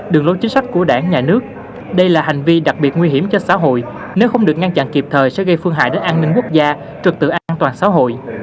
đường lối chính sách của đảng nhà nước đây là hành vi đặc biệt nguy hiểm cho xã hội nếu không được ngăn chặn kịp thời sẽ gây phương hại đến an ninh quốc gia trực tự an toàn xã hội